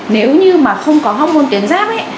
nếu như mà không có hormôn tuyến giáp ấy